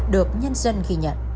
được nhân dân ghi nhận